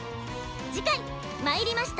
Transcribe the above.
次回「魔入りました！